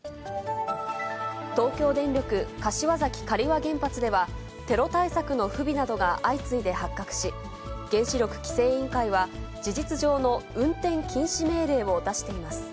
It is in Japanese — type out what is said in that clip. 東京電力柏崎刈羽原発では、テロ対策の不備などが相次いで発覚し、原子力規制委員会は、事実上の運転禁止命令を出しています。